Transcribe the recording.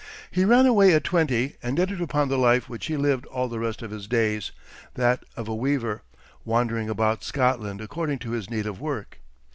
He ran away at twenty, and entered upon the life which he lived all the rest of his days, that of a weaver, wandering about Scotland according to his need of work.